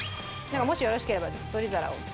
もしよろしければ取り皿を。